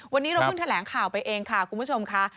วันนี้เราเพิ่งแถลงข่าวไปเองค่ะคุณผู้ชมค่ะ